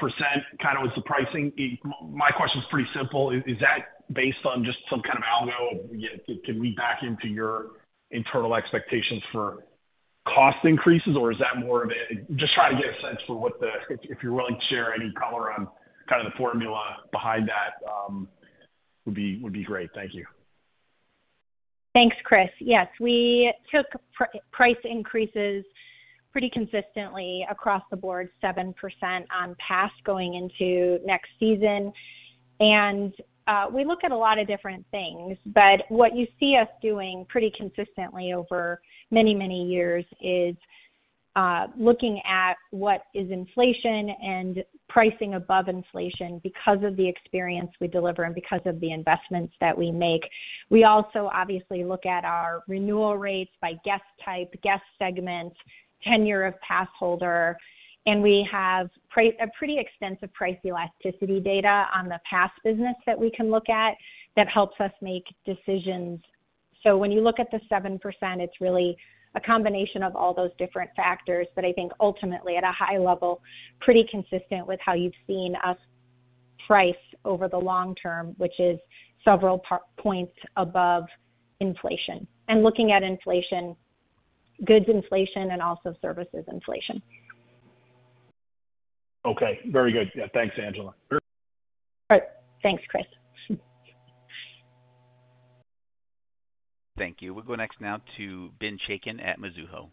kind of was the pricing. My question is pretty simple. Is that based on just some kind of algo? Can we back into your internal expectations for cost increases, or is that more of a just trying to get a sense for what the if you're willing to share any color on kind of the formula behind that would be great. Thank you. Thanks, Chris. Yes, we took price increases pretty consistently across the board, 7% on pass going into next season. We look at a lot of different things, but what you see us doing pretty consistently over many, many years is looking at what is inflation and pricing above inflation because of the experience we deliver and because of the investments that we make. We also obviously look at our renewal rates by guest type, guest segment, tenure of pass holder, and we have a pretty extensive price elasticity data on the pass business that we can look at that helps us make decisions. When you look at the 7%, it's really a combination of all those different factors, but I think ultimately at a high level, pretty consistent with how you've seen us price over the long term, which is several points above inflation. Looking at inflation, goods inflation, and also services inflation. Okay. Very good. Yeah. Thanks, Angela. All right. Thanks, Chris. Thank you. We'll go next now to Ben Chacon at Mizuho.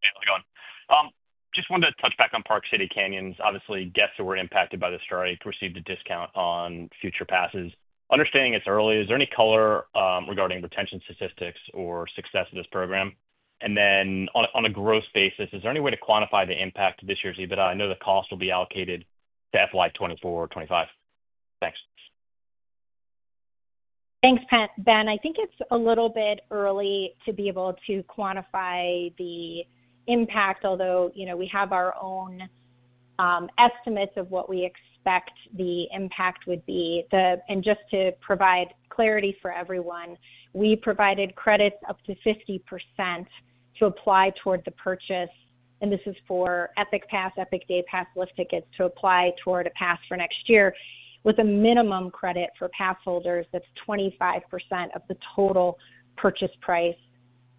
Hey, how's it going? Just wanted to touch back on Park City Canyons. Obviously, guests who were impacted by the strike received a discount on future passes. Understanding it's early, is there any color regarding retention statistics or success of this program? On a gross basis, is there any way to quantify the impact of this year's EBITDA? I know the cost will be allocated to FY 2024 or 2025. Thanks. Thanks, Ben. I think it's a little bit early to be able to quantify the impact, although we have our own estimates of what we expect the impact would be. Just to provide clarity for everyone, we provided credits up to 50% to apply toward the purchase. This is for Epic Pass, Epic Day Pass, lift tickets to apply toward a pass for next year with a minimum credit for pass holders that's 25% of the total purchase price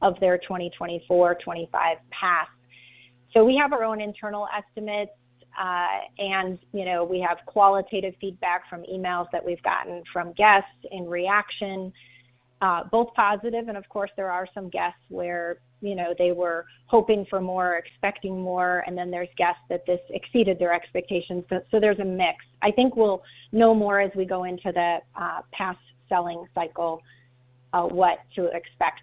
of their 2024-2025 pass. We have our own internal estimates, and we have qualitative feedback from emails that we've gotten from guests in reaction, both positive. Of course, there are some guests where they were hoping for more, expecting more, and then there's guests that this exceeded their expectations. There's a mix. I think we'll know more as we go into the pass selling cycle what to expect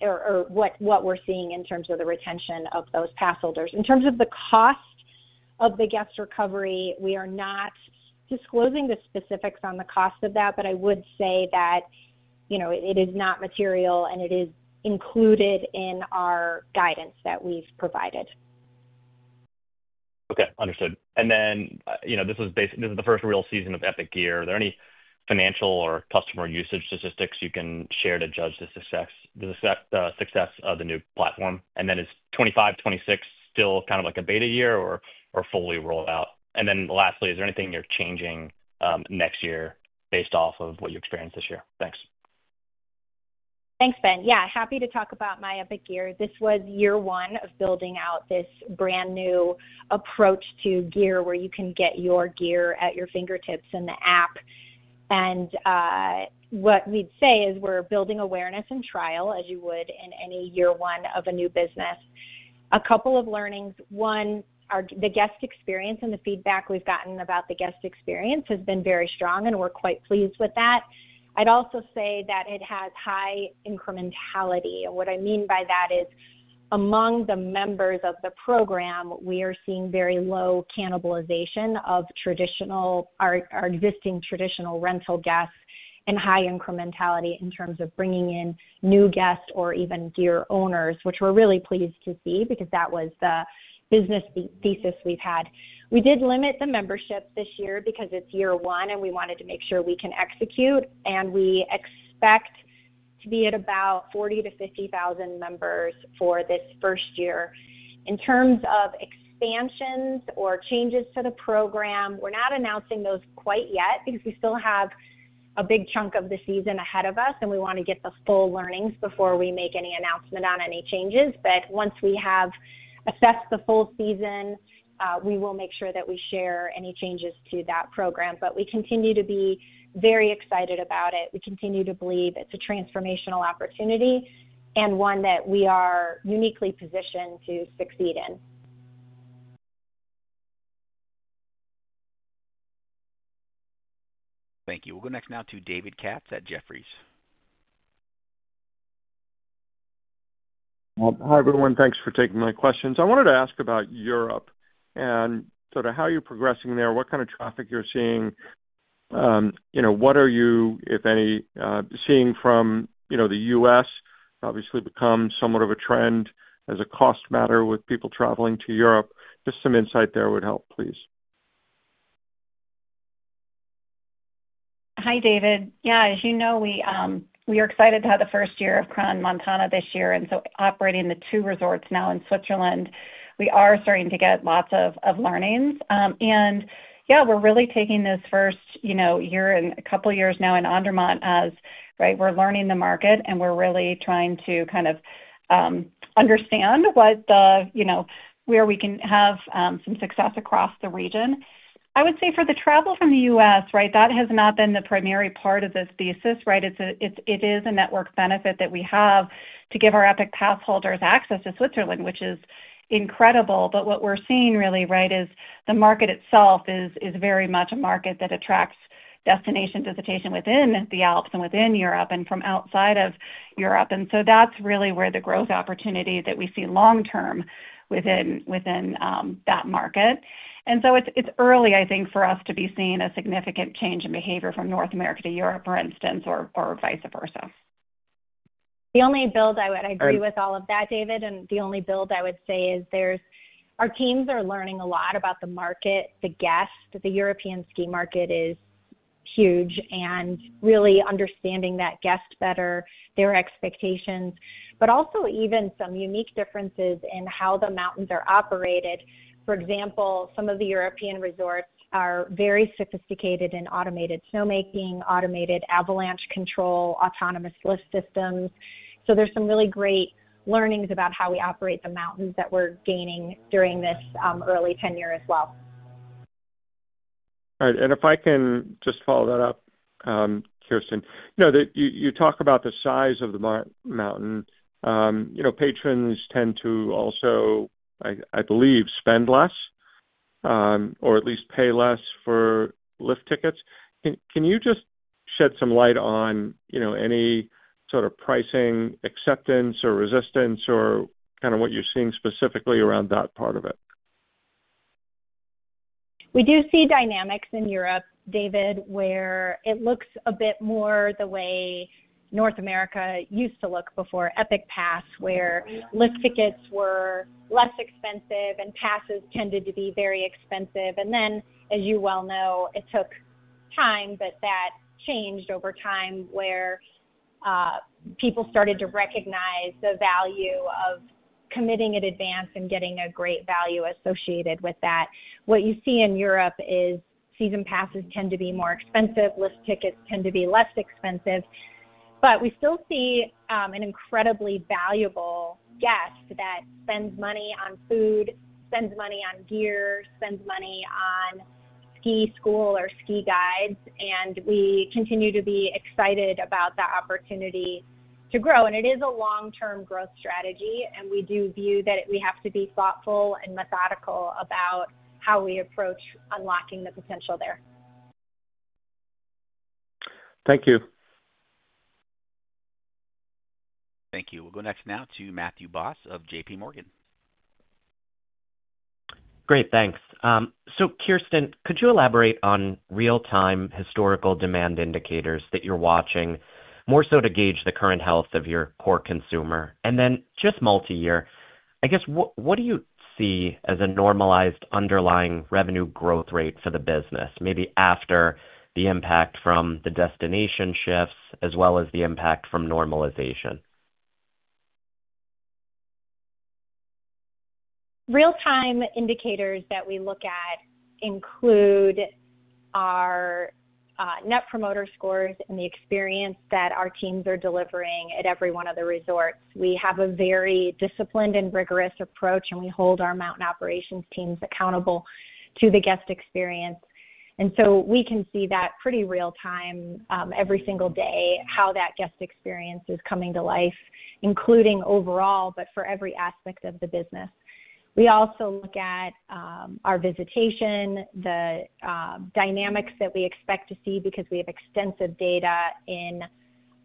or what we're seeing in terms of the retention of those pass holders. In terms of the cost of the guest recovery, we are not disclosing the specifics on the cost of that, but I would say that it is not material and it is included in our guidance that we've provided. Okay. Understood. This is the first real season of Epic Gear. Are there any financial or customer usage statistics you can share to judge the success of the new platform? Is 2025, 2026 still kind of like a beta year or fully rolled out? Lastly, is there anything you're changing next year based off of what you experienced this year? Thanks. Thanks, Ben. Yeah. Happy to talk about My Epic Gear. This was year one of building out this brand new approach to gear where you can get your gear at your fingertips in the app. What we'd say is we're building awareness and trial as you would in any year one of a new business. A couple of learnings. One, the guest experience and the feedback we've gotten about the guest experience has been very strong, and we're quite pleased with that. I'd also say that it has high incrementality. What I mean by that is among the members of the program, we are seeing very low cannibalization of our existing traditional rental guests and high incrementality in terms of bringing in new guests or even gear owners, which we're really pleased to see because that was the business thesis we've had. We did limit the membership this year because it's year one, and we wanted to make sure we can execute. We expect to be at about 40,000-50,000 members for this first year. In terms of expansions or changes to the program, we're not announcing those quite yet because we still have a big chunk of the season ahead of us, and we want to get the full learnings before we make any announcement on any changes. Once we have assessed the full season, we will make sure that we share any changes to that program. We continue to be very excited about it. We continue to believe it's a transformational opportunity and one that we are uniquely positioned to succeed in. Thank you. We'll go next now to David Katz at Jefferies. Hi, everyone. Thanks for taking my questions. I wanted to ask about Europe and sort of how you're progressing there, what kind of traffic you're seeing, what are you, if any, seeing from the U.S.? Obviously, become somewhat of a trend as a cost matter with people traveling to Europe. Just some insight there would help, please. Hi, David. Yeah, as you know, we are excited to have the first year of Crown Montana this year. Operating the two resorts now in Switzerland, we are starting to get lots of learnings. Yeah, we're really taking this first year and a couple of years now in Andermatt as, right, we're learning the market and we're really trying to kind of understand where we can have some success across the region. I would say for the travel from the U.S., right, that has not been the primary part of this thesis, right? It is a network benefit that we have to give our Epic Pass holders access to Switzerland, which is incredible. What we're seeing really, right, is the market itself is very much a market that attracts destination visitation within the Alps and within Europe and from outside of Europe. That is really where the growth opportunity that we see long-term within that market. It is early, I think, for us to be seeing a significant change in behavior from North America to Europe, for instance, or vice versa. I would agree with all of that, David, and the only build I would say is our teams are learning a lot about the market, the guests. The European ski market is huge and really understanding that guest better, their expectations, but also even some unique differences in how the mountains are operated. For example, some of the European resorts are very sophisticated in automated snowmaking, automated avalanche control, autonomous lift systems. There are some really great learnings about how we operate the mountains that we are gaining during this early tenure as well. All right. If I can just follow that up, Kirsten, you talk about the size of the mountain. Patrons tend to also, I believe, spend less or at least pay less for lift tickets. Can you just shed some light on any sort of pricing acceptance or resistance or kind of what you're seeing specifically around that part of it? We do see dynamics in Europe, David, where it looks a bit more the way North America used to look before Epic Pass, where lift tickets were less expensive and passes tended to be very expensive. As you well know, it took time, but that changed over time where people started to recognize the value of committing in advance and getting a great value associated with that. What you see in Europe is season passes tend to be more expensive. Lift tickets tend to be less expensive. We still see an incredibly valuable guest that spends money on food, spends money on gear, spends money on ski school or ski guides. We continue to be excited about that opportunity to grow. It is a long-term growth strategy. We do view that we have to be thoughtful and methodical about how we approach unlocking the potential there. Thank you. Thank you. We'll go next now to Matthew Boss of JPMorgan. Great. Thanks. Kirsten, could you elaborate on real-time historical demand indicators that you're watching more so to gauge the current health of your core consumer? Just multi-year, I guess, what do you see as a normalized underlying revenue growth rate for the business, maybe after the impact from the destination shifts as well as the impact from normalization? Real-time indicators that we look at include our net promoter scores and the experience that our teams are delivering at every one of the resorts. We have a very disciplined and rigorous approach, and we hold our mountain operations teams accountable to the guest experience. We can see that pretty real-time every single day, how that guest experience is coming to life, including overall, but for every aspect of the business. We also look at our visitation, the dynamics that we expect to see because we have extensive data in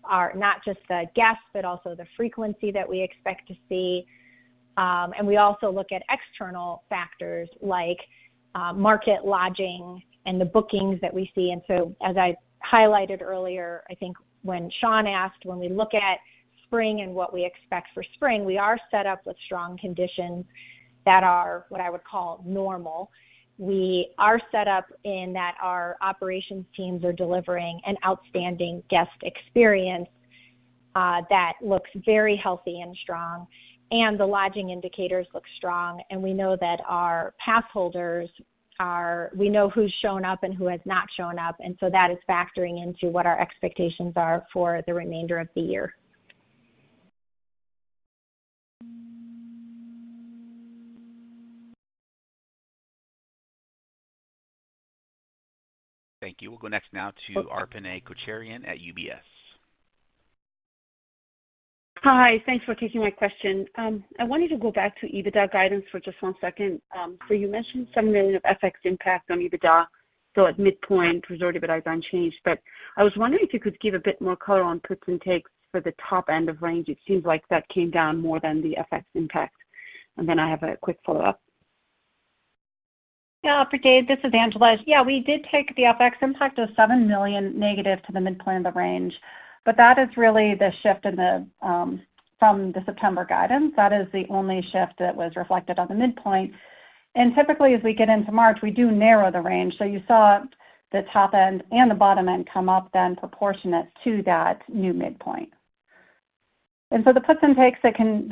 not just the guests, but also the frequency that we expect to see. We also look at external factors like market lodging and the bookings that we see. As I highlighted earlier, I think when Shawn asked, when we look at spring and what we expect for spring, we are set up with strong conditions that are what I would call normal. We are set up in that our operations teams are delivering an outstanding guest experience that looks very healthy and strong. The lodging indicators look strong. We know that our pass holders, we know who has shown up and who has not shown up. That is factoring into what our expectations are for the remainder of the year. Thank you. We'll go next now to Arpine Kocharyan at UBS. Hi. Thanks for taking my question. I wanted to go back to EBITDA guidance for just one second. You mentioned some of the effects impact on EBITDA. At midpoint, resort EBITDA is unchanged. I was wondering if you could give a bit more color on percent takes for the top end of range. It seems like that came down more than the effects impact. I have a quick follow-up. Yeah. Hi, David. This is Angela. Yeah, we did take the FX impact of $7 million negative to the midpoint of the range. That is really the shift from the September guidance. That is the only shift that was reflected on the midpoint. Typically, as we get into March, we do narrow the range. You saw the top end and the bottom end come up then proportionate to that new midpoint. The percent takes that can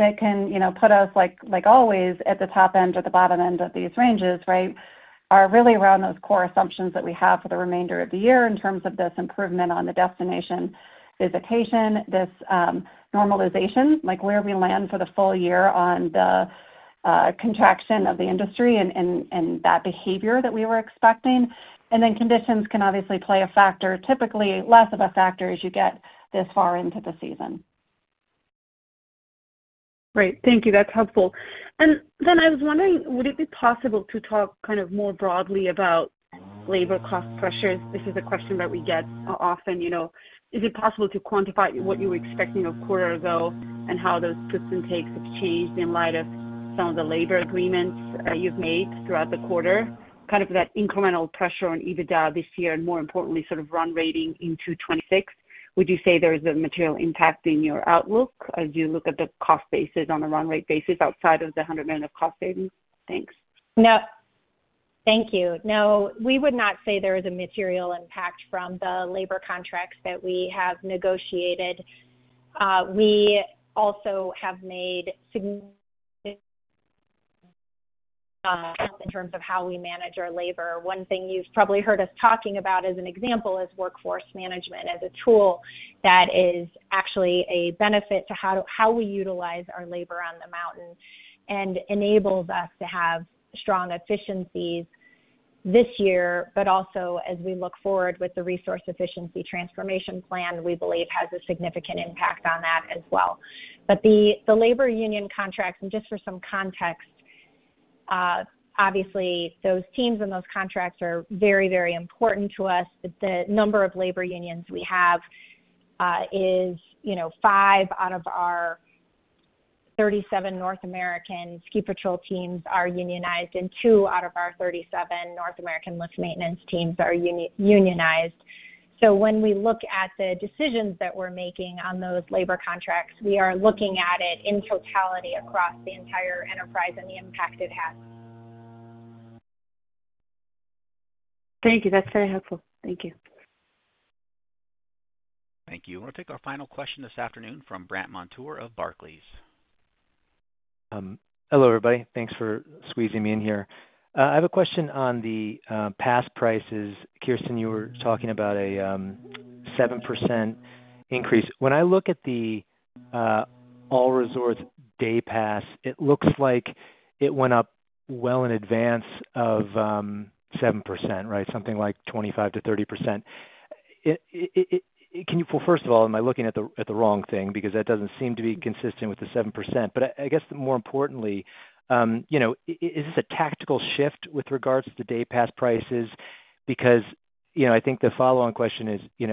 put us, like always, at the top end or the bottom end of these ranges, right, are really around those core assumptions that we have for the remainder of the year in terms of this improvement on the destination visitation, this normalization, like where we land for the full year on the contraction of the industry and that behavior that we were expecting. Conditions can obviously play a factor, typically less of a factor as you get this far into the season. Right. Thank you. That's helpful. I was wondering, would it be possible to talk kind of more broadly about labor cost pressures? This is a question that we get often. Is it possible to quantify what you were expecting a quarter ago and how those % takes have changed in light of some of the labor agreements you've made throughout the quarter? Kind of that incremental pressure on EBITDA this year and more importantly, sort of run rating into 2026. Would you say there is a material impact in your outlook as you look at the cost basis on a run rate basis outside of the $100 million of cost savings? Thanks. No. Thank you. No, we would not say there is a material impact from the labor contracts that we have negotiated. We also have made significant improvements in terms of how we manage our labor. One thing you have probably heard us talking about as an example is workforce management as a tool that is actually a benefit to how we utilize our labor on the mountain and enables us to have strong efficiencies this year, but also as we look forward with the resource efficiency transformation plan, we believe has a significant impact on that as well. The labor union contracts, and just for some context, obviously, those teams and those contracts are very, very important to us. The number of labor unions we have is five out of our 37 North American ski patrol teams are unionized, and two out of our 37 North American lift maintenance teams are unionized. When we look at the decisions that we're making on those labor contracts, we are looking at it in totality across the entire enterprise and the impact it has. Thank you. That's very helpful. Thank you. Thank you. We'll take our final question this afternoon from Brant Montour of Barclays. Hello, everybody. Thanks for squeezing me in here. I have a question on the pass prices. Kirsten, you were talking about a 7% increase. When I look at the all-resort day pass, it looks like it went up well in advance of 7%, right? Something like 25-30%. First of all, am I looking at the wrong thing? Because that does not seem to be consistent with the 7%. I guess more importantly, is this a tactical shift with regards to day pass prices? I think the follow-on question is,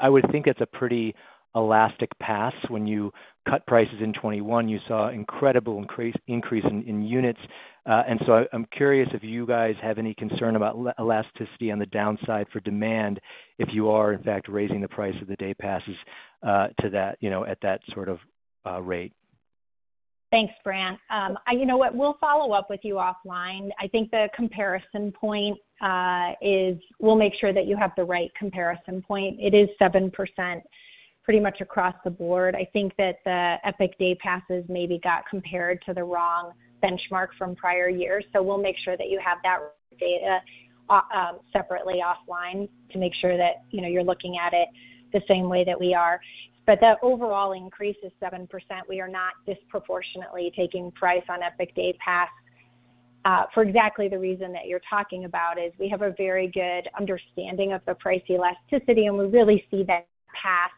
I would think it is a pretty elastic pass. When you cut prices in 2021, you saw an incredible increase in units. I'm curious if you guys have any concern about elasticity on the downside for demand if you are, in fact, raising the price of the day passes to that at that sort of rate. Thanks, Brant. You know what? We'll follow up with you offline. I think the comparison point is we'll make sure that you have the right comparison point. It is 7% pretty much across the board. I think that the Epic Day Passes maybe got compared to the wrong benchmark from prior years. We'll make sure that you have that data separately offline to make sure that you're looking at it the same way that we are. The overall increase is 7%. We are not disproportionately taking price on Epic Day Pass for exactly the reason that you're talking about is we have a very good understanding of the price elasticity, and we really see that pass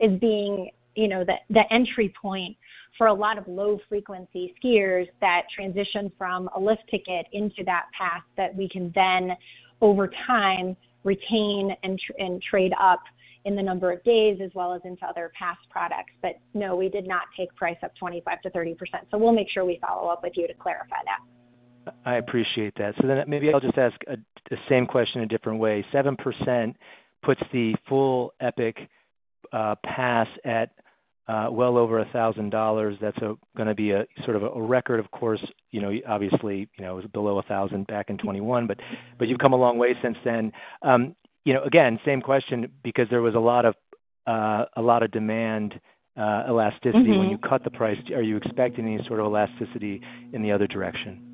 as being the entry point for a lot of low-frequency skiers that transition from a lift ticket into that pass that we can then, over time, retain and trade up in the number of days as well as into other pass products. No, we did not take price up 25-30%. We will make sure we follow up with you to clarify that. I appreciate that. Maybe I'll just ask the same question a different way. 7% puts the full Epic Pass at well over $1,000. That's going to be sort of a record, of course. Obviously, it was below $1,000 back in 2021, but you've come a long way since then. Again, same question, because there was a lot of demand elasticity when you cut the price. Are you expecting any sort of elasticity in the other direction?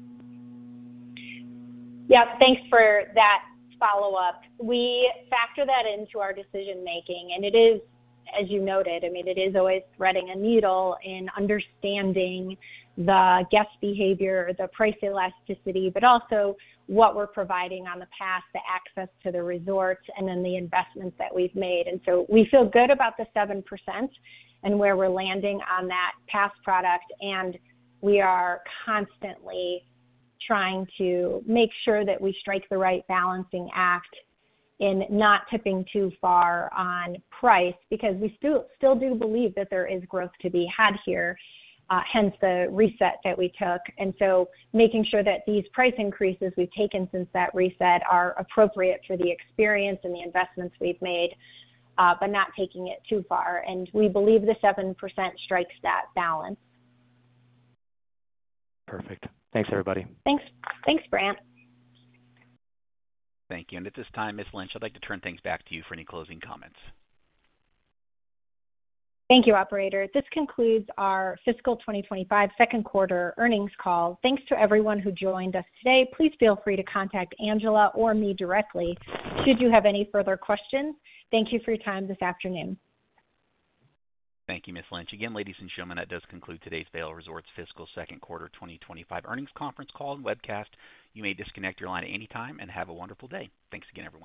Yeah. Thanks for that follow-up. We factor that into our decision-making. It is, as you noted, I mean, it is always threading a needle in understanding the guest behavior, the price elasticity, but also what we're providing on the pass, the access to the resorts, and then the investments that we've made. We feel good about the 7% and where we're landing on that pass product. We are constantly trying to make sure that we strike the right balancing act in not tipping too far on price because we still do believe that there is growth to be had here, hence the reset that we took. Making sure that these price increases we've taken since that reset are appropriate for the experience and the investments we've made, but not taking it too far. We believe the 7% strikes that balance. Perfect. Thanks, everybody. Thanks. Thanks, Brant. Thank you. At this time, Ms. Lynch, I'd like to turn things back to you for any closing comments. Thank you, operator. This concludes our fiscal 2025 second quarter earnings call. Thanks to everyone who joined us today. Please feel free to contact Angela or me directly should you have any further questions. Thank you for your time this afternoon. Thank you, Ms. Lynch. Again, ladies and gentlemen, that does conclude today's Vail Resorts fiscal second quarter 2025 earnings conference call and webcast. You may disconnect your line at any time and have a wonderful day. Thanks again everyone.